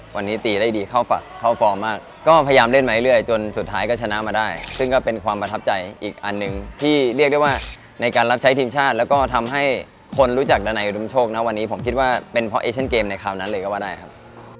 ผมคิดว่าเป็นเพราะเอเซียตเกมในความนั้นเลยก็ว่าได้ครับ